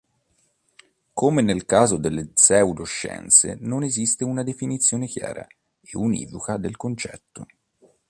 Come nel caso delle pseudoscienze non esiste una definizione chiara e univoca del concetto.